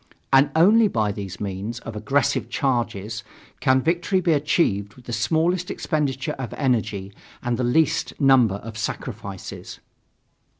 And only by these means of aggressive charges can victory be achieved with the smallest expenditure of energy and the least number of sacrifices.